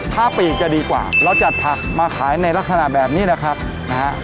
ถ้าปีกจะดีกว่าเราจัดผักมาขายในลักษณะแบบนี้นะครับนะฮะ